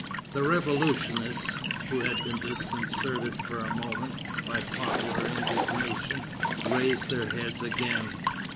The revolutionists, who had been disconcerted for a moment by popular indignation, raised their heads again.